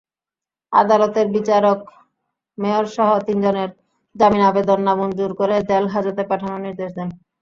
আদালতের বিচারক মেয়রসহ তিনজনের জামিন আবেদন নামঞ্জুর করে জেলহাজতে পাঠানোর নির্দেশ দেন।